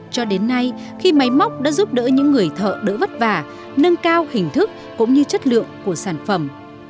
cho đến nay khi máy móc đã giúp đỡ những người thợ đỡ vất vả nâng cao hình thức cũng như chất lượng của sản phẩm